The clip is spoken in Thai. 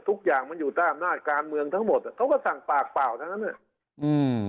ทุกอย่างมันอยู่ใต้อำนาจการเมืองทั้งหมดอ่ะเขาก็สั่งปากเปล่าทั้งนั้นอ่ะอืม